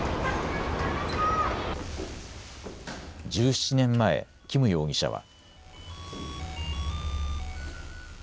１７年前、金容疑者は。